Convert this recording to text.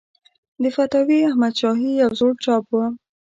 د فتاوی احمدشاهي یو زوړ چاپ و.